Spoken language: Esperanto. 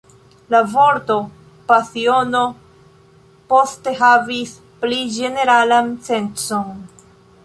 La vorto pasiono poste havis pli ĝeneralan sencon.